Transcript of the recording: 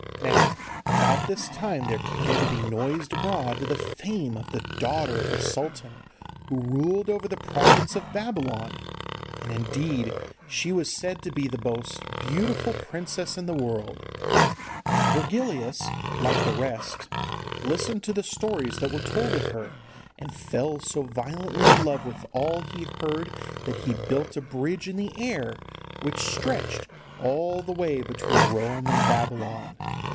Now about this time there came to be noised abroad the fame of the daughter of the sultan who ruled over the province of Babylon, and indeed she was said to be the most beautiful princess in the world. Virgilius, like the rest, listened to the stories that were told of her, and fell so violently in love with all he heard that he built a bridge in the air, which stretched all the way between Rome and Babylon.